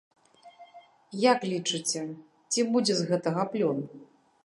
Як лічыце, ці будзе з гэтага плён?